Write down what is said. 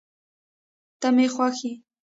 ته مي خوښ یې